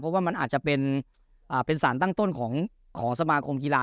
เพราะว่ามันอาจจะเป็นสารตั้งต้นของสมาคมกีฬา